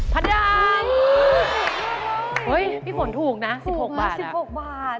พี่ฝนถูกนะ๑๖บาท